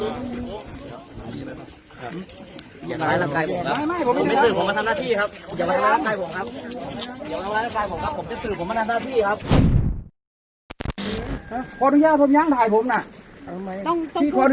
ให้ผมทื้อหน่อยที่